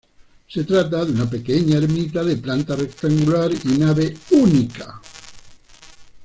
Se trata de una pequeña ermita de planta rectangular y nave única.